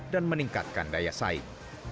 dan meningkatkan daya saing